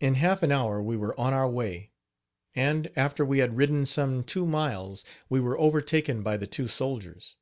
Iu half an hour we were on our way; and, after we had ridden some two miles, we were overtaken by the two soldiers.